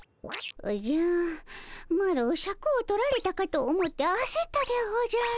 おじゃマロシャクを取られたかと思ってあせったでおじゃる。